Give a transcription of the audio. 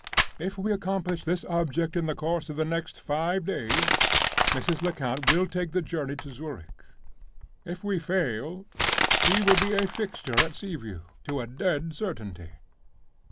If we accomplish this object in the course of the next five days, Mrs. Lecount will take the journey to Zurich. If we fail, she will be a fixture at Sea View, to a dead certainty.